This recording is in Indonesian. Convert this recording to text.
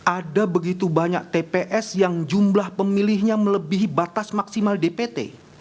ada begitu banyak tps yang jumlah pemilihnya melebihi batas maksimal dpt